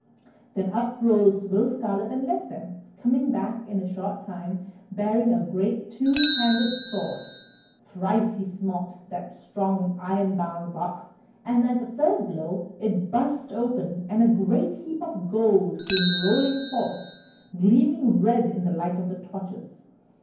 Then up rose Will Scarlet and left them, coming back in a short time, bearing a great two handed sword. Thrice he smote that strong, ironbound box, and at the third blow it burst open and a great heap of gold came rolling forth, gleaming red in the light of the torches.